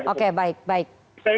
oke baik baik